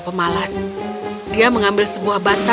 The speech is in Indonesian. kami akan menjualnya